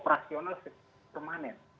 berdirinya masjid kemanet